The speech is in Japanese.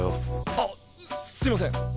あっすいません